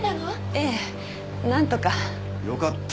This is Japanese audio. ええなんとかよかった！